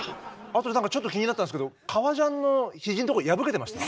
あと何かちょっと気になったんすけど革ジャンの肘のとこ破けてました？